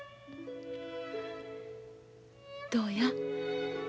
どうや？